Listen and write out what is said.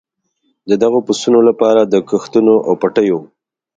د دغو پسونو لپاره د کښتونو او پټیو.